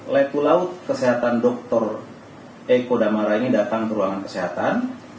letulau kesehatan dr eko damara ini datang ke ruangan kesehatan